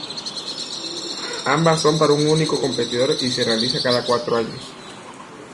Ambas son para un único competidor y se realizan cada cuatro años.